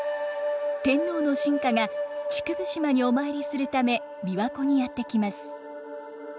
天皇の臣下が竹生島にお参りするため琵琶湖にやって来ます。